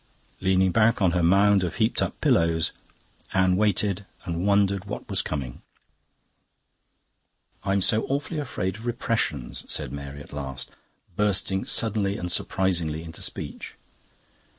Leaning back on her mound of heaped up pillows, Anne waited and wondered what was coming. "I'm so awfully afraid of repressions," said Mary at last, bursting suddenly and surprisingly into speech.